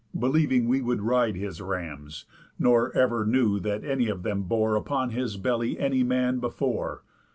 believing, we would ride his rams! Nor ever knew that any of them bore Upon his belly any man before.